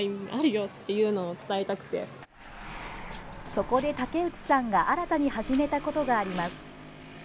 そこで、竹内さんが新たに始めたことがあります。